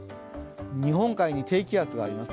日本海に低気圧があります。